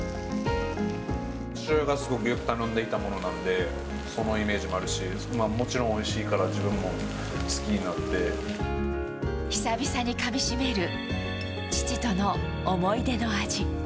父親がすごくよく頼んでいたものなので、そのイメージもあるし、もちろん、おいしいから自分久々にかみしめる父との思い